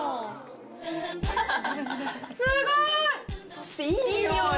そしていい匂い。